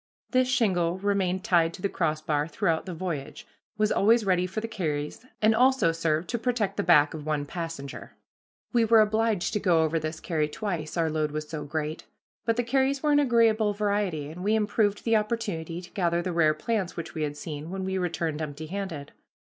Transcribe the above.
This shingle remained tied to the crossbar throughout the voyage, was always ready for the carries, and also served to protect the back of one passenger. We were obliged to go over this carry twice, our load was so great. But the carries were an agreeable variety, and we improved the opportunity to gather the rare plants which we had seen, when we returned empty handed.